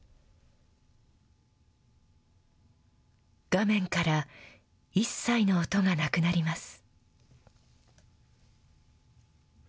画面から一切の音がなくなります。